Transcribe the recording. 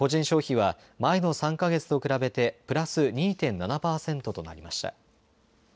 消費は前の３か月と比べてプラス２．７％となりました。